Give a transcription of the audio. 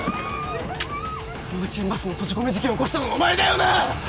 幼稚園バスの閉じ込め事件を起こしたのはお前だよな！